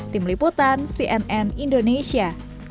tim liputan cnn indonesia